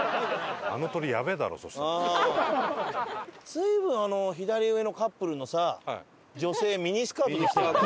随分あの左上のカップルのさ女性ミニスカートですよね。